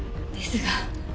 ですが。